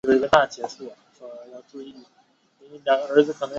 阿肯色州议会是美国阿肯色州的立法机构。